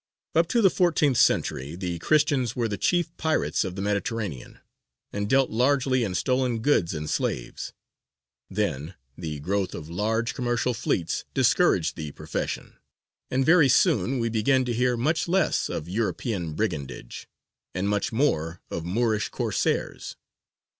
Up to the fourteenth century the Christians were the chief pirates of the Mediterranean, and dealt largely in stolen goods and slaves. Then the growth of large commercial fleets discouraged the profession, and very soon we begin to hear much less of European brigandage, and much more of Moorish Corsairs.